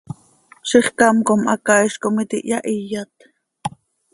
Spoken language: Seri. Zixcám com hacaaiz com iti hyahiyat.